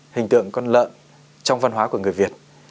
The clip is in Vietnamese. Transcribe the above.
hình tượng con lợn trong văn hóa của người việt